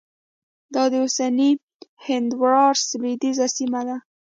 دا د اوسني هندوراس لوېدیځه سیمه ده